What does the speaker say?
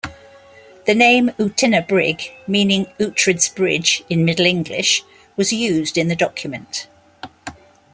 The name Ughtinabrigg, meaning Oughtred's Bridge in Middle English, was used in the document.